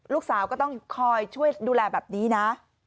ลูกสาวก็ต้องคอยช่วยดูแลแบบนี้นะ